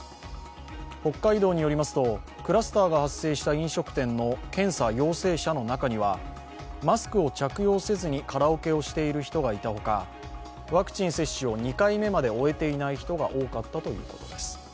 北海道によりますと、クラスターが発生した飲食店の検査陽性者の中にはマスクを着用せずにカラオケをしている人がいたほかワクチン接種を２回目まで終えていない人が多かったということです。